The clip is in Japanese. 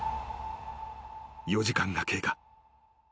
［４時間が経過］